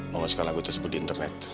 mau menyukai lagu tersebut di internet